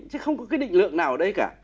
chứ không có cái định lượng nào ở đây cả